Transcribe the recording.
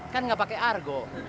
kan gak pake argo